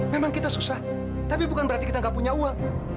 memang kita susah tapi bukan berarti kita gak punya uang